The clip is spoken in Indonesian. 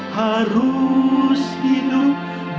harus hidup dengan keadaan